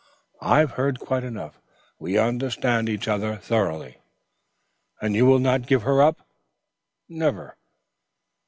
I have heard quite enough. We understand each other thoroughly." "And you will not give her up?" "Never."